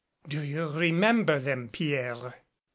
"Do you remember them, Pierre?"